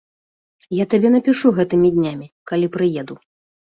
Я табе напішу гэтымі днямі, калі прыеду.